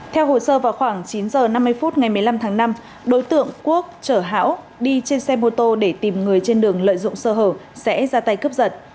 theo hồ sơ vào khoảng chín h năm mươi phút ngày một mươi năm tháng năm đối tượng quốc chở hão đi trên xe mô tô để tìm người trên đường lợi dụng sơ hở sẽ ra tay cướp giật